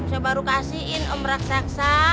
saya baru kasihin om reksa reksa